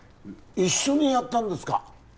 一緒にやったんですか？